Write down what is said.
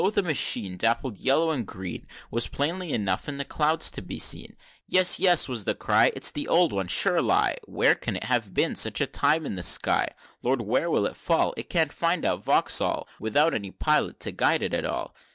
the machine, Dappled yellow and green, Was plainly enough in the clouds to be seen: "Yes, yes," was the cry, "It's the old one, sure_ly_, Where can it have been such a time in the sky?" XI. "Lord! where will it fall? It can't find out Vauxhall, Without any pilot to guide it at all!"